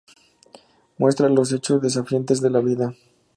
Muestra los hechos desafiantes de la vida.